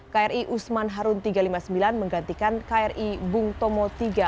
kri usman harun tiga ratus lima puluh sembilan menggantikan kri bung tomo tiga ratus empat puluh tujuh